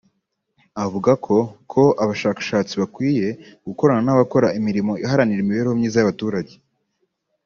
avuga ko ko abashakashatsi bakwiye gukorana n’abakora imirimo iharanira imibereho myiza y’abaturage